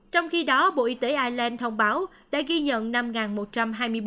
trong khi đó bộ y tế ireland thông báo đã ghi nhận năm mũi